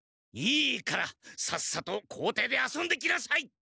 いいからさっさと校庭で遊んできなさい！